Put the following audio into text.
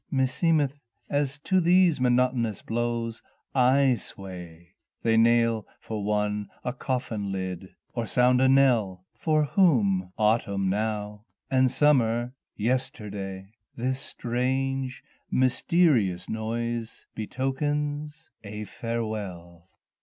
Meeseemeth as to these monotonous blows I sway, They nail for one a coffin lid, or sound a knell For whom? Autumn now and summer yesterday! This strange mysterious noise betokens a farewell.